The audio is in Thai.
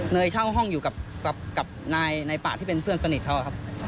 เช่าห้องอยู่กับนายป่าที่เป็นเพื่อนสนิทเขาครับ